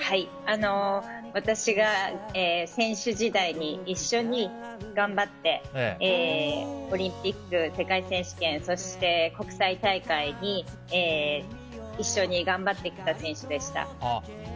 私が選手時代に一緒に頑張ってオリンピック、世界選手権そして国際大会に一緒に頑張ってきた選手でした。